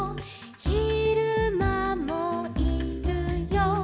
「ひるまもいるよ」